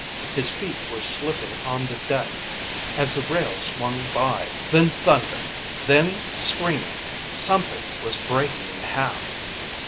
His feet were slipping on the deck as the rail swung by. Then thunder. Then screaming. Something was breaking in half.